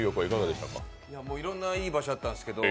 いろんないい場所あったんですけど